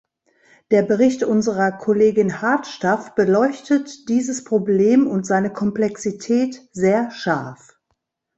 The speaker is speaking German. Der Bericht unserer Kollegin Hardstaff beleuchtet dieses Problem und seine Komplexität sehr scharf.